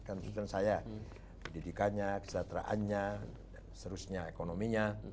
kedidikannya kesejahteraannya ekonominya